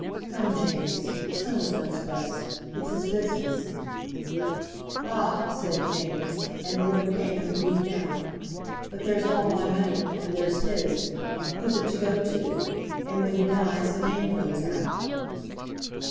"Come, James! Soames knows best. It's his business." "Ah!" said James, and the word came from deep down; "but there's all my money, and there's his—who's it to go to? And when he dies the name goes out."